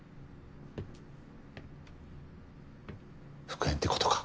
復縁ってことか。